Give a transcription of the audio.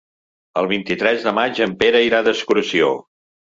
El vint-i-tres de maig en Pere irà d'excursió.